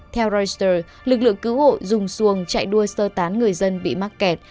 theo reuters lực lượng cứu hộ dùng xuồng chạy đua sơ tán người dân bị mắc kẹt